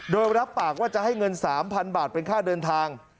โดยรับปากว่าจะให้เงิน๓๐๐๐บาทเป็นค่าเดินทาง